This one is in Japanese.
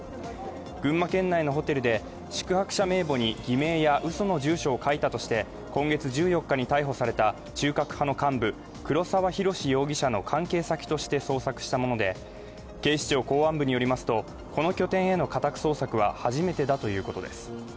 群馬県内のホテルで宿泊者名簿に偽名や嘘の住所を書いたとして今月１４日に逮捕された中核派の幹部、黒沢寛容疑者の関係先として捜索したもので警視庁公安部によりますと、この拠点への家宅捜索は初めてだということです。